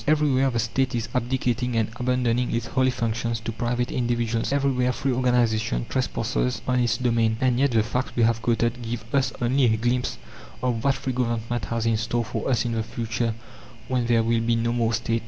Everywhere the State is abdicating and abandoning its holy functions to private individuals. Everywhere free organization trespasses on its domain. And yet, the facts we have quoted give us only a glimpse of what free government has in store for us in the future when there will be no more State.